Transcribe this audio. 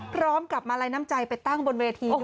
พร้อมกับมาลัยน้ำใจไปตั้งบนเวที